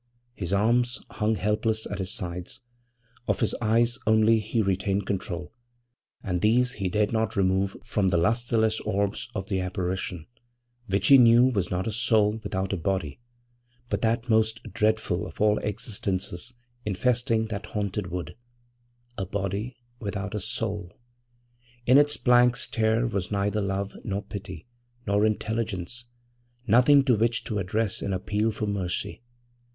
His arms hung helpless at his sides; of his eyes only he retained control, and these he dared not remove from the lustreless orbs of the apparition, which he knew was not a soul without a body, but that most dreadful of all existences infesting that haunted wood a body without a soul! In its blank stare was neither love, nor pity, nor intelligence nothing to which to address an appeal for mercy.